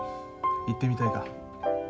行ってみたいか？